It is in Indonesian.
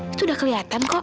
itu udah keliatan kok